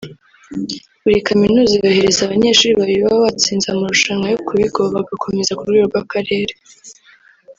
Buri kaminuza yohereza abanyeshuri babiri baba batsinze amarushanwa yo ku bigo bagakomeza ku rwego rw’akarere